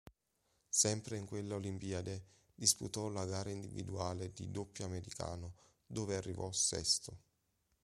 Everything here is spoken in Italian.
Sempre in quella Olimpiade, disputò la gara individuale di doppio americano dove arrivò sesto.